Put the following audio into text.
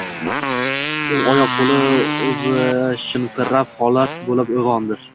U oyoq-qo‘li uvishinqirab, lohas bo‘lib uyg‘ondi.